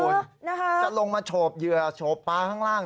คุณจะลงมาโฉบเหยื่อโฉบปลาข้างล่าง